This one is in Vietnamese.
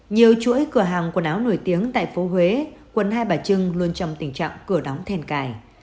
nhiều chuỗi cửa hàng quần áo nổi tiếng tại phố huế quận hai bà trưng luôn trong tình trạng cửa đóng thèn cài